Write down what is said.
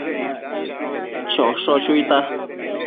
Chosho chuita